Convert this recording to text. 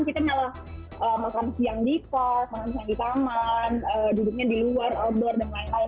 kita malah makan siang di pos makan siang di taman duduknya di luar outdoor dan lain lain